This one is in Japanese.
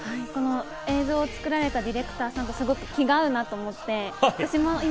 映像を作られたディレクターさんと気が合うなと思って。